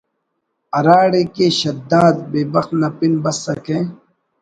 ہراڑے کہ شداد بے بخت نا پن بسکہ